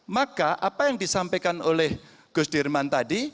maka apa yang disampaikan oleh gus dirman tadi